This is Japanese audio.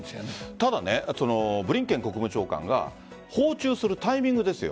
ただ、ブリンケン国務長官が訪中するタイミングですよ。